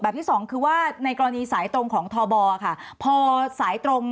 ที่สองคือว่าในกรณีสายตรงของทบค่ะพอสายตรง